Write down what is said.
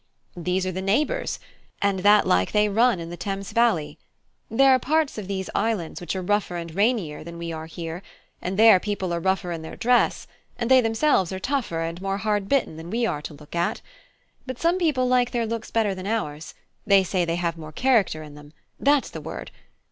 These are the neighbours, and that like they run in the Thames valley. There are parts of these islands which are rougher and rainier than we are here, and there people are rougher in their dress; and they themselves are tougher and more hard bitten than we are to look at. But some people like their looks better than ours; they say they have more character in them that's the word.